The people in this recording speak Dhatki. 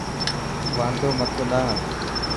واندو مٿو نه هڻ.